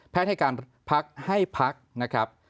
ให้การพักให้พักนะครับ